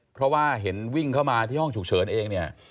เพราะว่าเห็นวิ่งเข้ามาที่ห้องฉุกเฉินเองเนี่ย